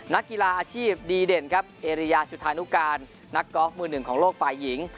นักกีฬาอาชีพดีเด่นครับเอริยาจุธานุการนักกอล์ฟมือหนึ่งของโลกฝ่ายหญิง